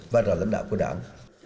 và là lãnh đạo của đảng